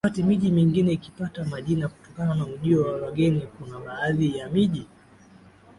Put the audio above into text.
Wakati miji mingine ikipata majina kutokana na ujio wa wageni kuna baadhi ya miji